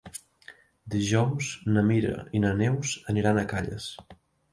Dijous na Mira i na Neus aniran a Calles.